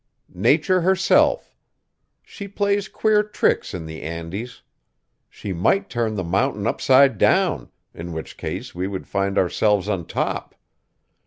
"Nature herself. She plays queer tricks in the Andes. She might turn the mountain upside down, in which case we would find ourselves on top.